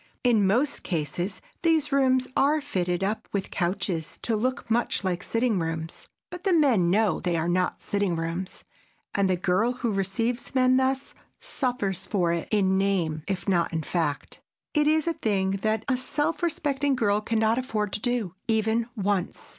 In most cases these rooms are fitted up with couches to look much like sitting rooms, but the men know they are not sitting rooms, and the girl who receives men thus suffers for it in name if not in fact. It is a thing that a self respecting girl can not afford to do, even once.